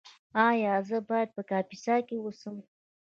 ایا زه باید په کاپیسا کې اوسم؟